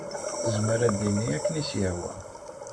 Tezmer ad t-tini akken i s-yehwa.